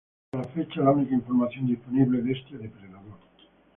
Hasta la fecha, la única información disponible de este depredador.